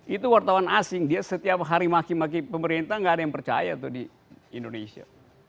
itu wartawan asing dia setiap hari maki maki pemerintah nggak ada yang percaya tuh di indonesia